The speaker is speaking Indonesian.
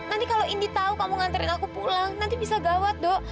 nanti kalau indi tahu kamu nganterin aku pulang nanti bisa gawat dong